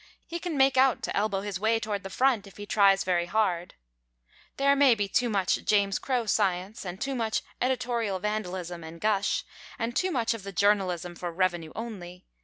He can make out to elbow his way toward the front, if he tries very hard. There may be too much James Crow science, and too much editorial vandalism and gush, and too much of the journalism for revenue only.